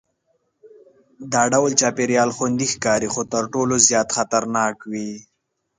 دا ډول چاپېریال خوندي ښکاري خو تر ټولو زیات خطرناک وي.